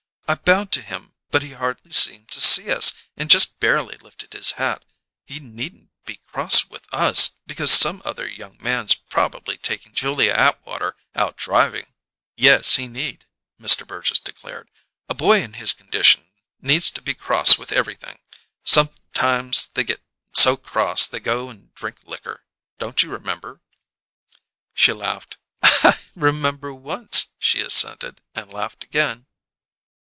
"I bowed to him, but he hardly seemed to see us and just barely lifted his hat. He needn't be cross with us because some other young man's probably taking Julia Atwater out driving!" "Yes, he need!" Mr. Burgess declared. "A boy in his condition needs to be cross with everything. Sometimes they get so cross they go and drink liquor. Don't you remember?" She laughed. "I remember once!" she assented, and laughed again.